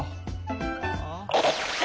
ああ。